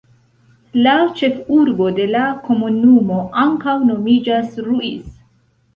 La ĉefurbo de la komunumo ankaŭ nomiĝas Ruiz.